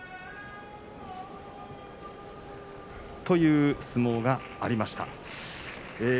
という相撲がありました。